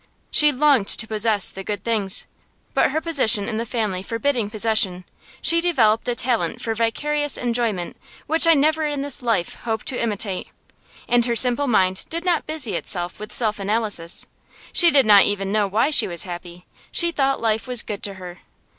She longed to possess the good things, but her position in the family forbidding possession, she developed a talent for vicarious enjoyment which I never in this life hope to imitate. And her simple mind did not busy itself with self analysis. She did not even know why she was happy; she thought life was good to her.